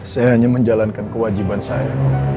saya hanya menjalankan kewajiban saya